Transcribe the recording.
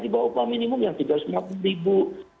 di bawah upah minimum yang rp tiga lima ratus